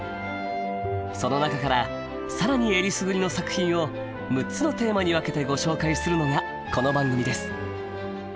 その中から更にえりすぐりの作品を６つのテーマに分けてご紹介するのがこの番組です。